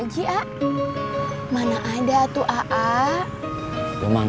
com aku jadi juga gak suruh minum